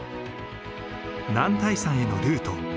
男体山へのルート。